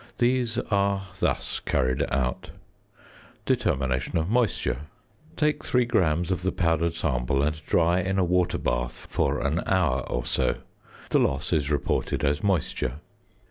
These are thus carried out: ~Determination of Moisture.~ Take 3 grams of the powdered sample and dry in a water bath for an hour or so. The loss is reported as moisture.